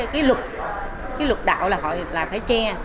cái luật đạo là phải che